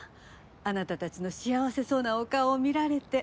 あなたたちの幸せそうなお顔を見られて。